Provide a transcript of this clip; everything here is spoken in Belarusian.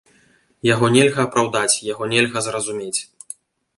Яго нельга апраўдаць, яго нельга зразумець.